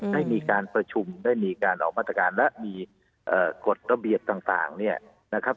ได้มีการประชุมได้มีการออกมาตรการและมีกฎระเบียบต่างเนี่ยนะครับ